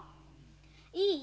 いい？